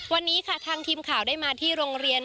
วันนี้ค่ะทางทีมข่าวได้มาที่โรงเรียน